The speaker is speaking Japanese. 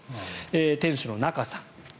店主の中さん。